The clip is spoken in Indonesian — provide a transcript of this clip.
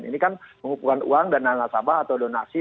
ini kan mengumpulkan uang dana nasabah atau donasi